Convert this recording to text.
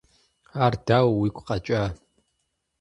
Ар дауэ уигу къэкӀа?